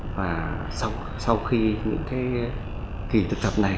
và sau khi những kỳ thực tập này